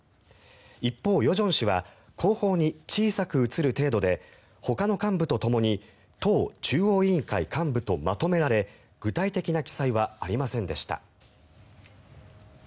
一方、与正氏は後方に小さく映る程度でほかの幹部とともに党中央委員会幹部とまとめられ具体的な記載はありませんでした。